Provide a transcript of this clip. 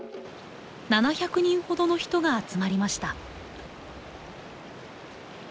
７００人ほどの人が集まりました。